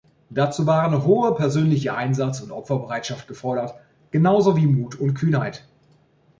Dazu waren hohe persönliche Einsatz- und Opferbereitschaft gefordert, genauso wie Mut und Kühnheit.